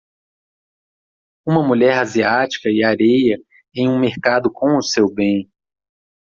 Uma mulher asiática e areia em um mercado com o seu bem.